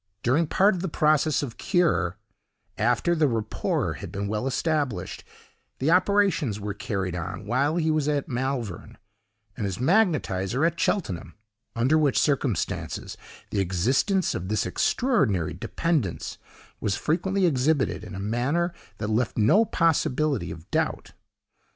During part of the process of curé, after the rapport had been well established, the operations were carried on while he was at Malvern, and his magnetiser at Cheltenham, under which circumstances the existence of this extraordinary dependence was frequently exhibited in a manner that left no possibility of doubt.